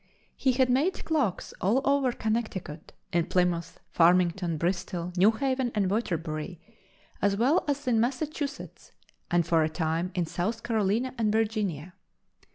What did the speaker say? He had made clocks all over Connecticut, in Plymouth, Farmington, Bristol, New Haven and Waterbury, as well as in Massachusetts and, for a time, in South Carolina and Virginia.